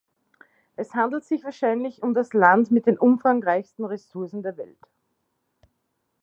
Es handelt sich wahrscheinlich um das Land mit den umfangreichsten Ressourcen der Welt.